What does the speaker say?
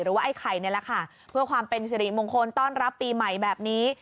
ไอ้ไข่นี่แหละค่ะเพื่อความเป็นสิริมงคลต้อนรับปีใหม่แบบนี้